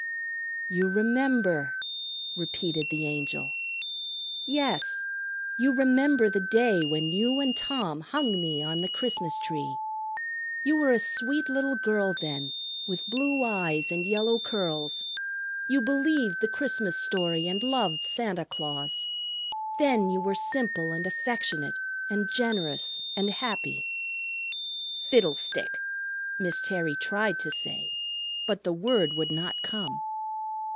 "You remember!" repeated the Angel. "Yes; you remember the day when you and Tom hung me on the Christmas tree. You were a sweet little girl then, with blue eyes and yellow curls. You believed the Christmas story and loved Santa Claus. Then you were simple and affectionate and generous and happy." "Fiddlestick!" Miss Terry tried to say. But the word would not come.